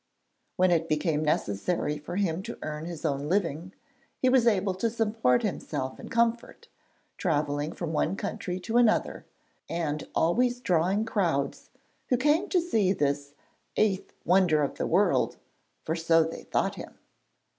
When it became necessary for him to earn his own living, he was able to support himself in comfort, travelling from one country to another, and always drawing crowds who came to see this Eighth Wonder of the world for so they thought him.